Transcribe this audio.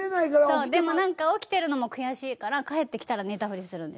そうでも何か起きてるのも悔しいから帰ってきたら寝たふりするんです。